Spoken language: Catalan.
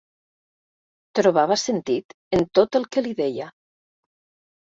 Trobava sentit en tot el que li deia.